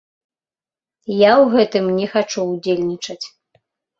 Я ў гэтым не хачу ўдзельнічаць.